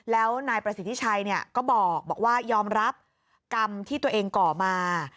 แล้วนายประสิทธิชัยก็บอกว่ายอมรับกรรมที่ตัวเองก่อมา